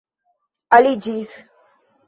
aliĝis